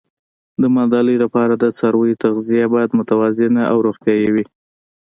د مالدارۍ لپاره د څارویو تغذیه باید متوازنه او روغتیايي وي.